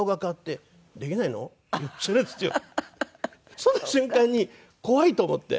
その瞬間に怖いと思って。